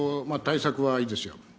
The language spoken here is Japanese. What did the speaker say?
対策はいいですよ